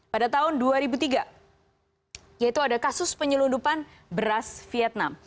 pada tahun dua ribu tiga yaitu ada kasus penyelundupan beras vietnam